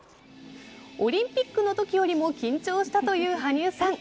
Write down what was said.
オリンピックのときよりも緊張したという羽生さん。